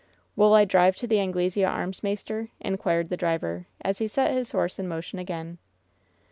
"Wull I drive to the Anglesea Arms, maister?" in quired the driver, as he set his horse in motion again.